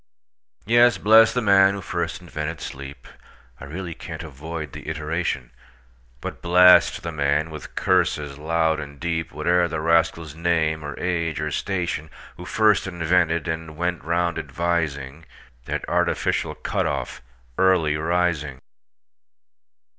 Yes; bless the man who first invented sleep(I really can't avoid the iteration),But blast the man, with curses loud and deep, Whate'er the rascal's name, or age, or station, Who first invented, and went round advising, That artificial cut off, Early Rising!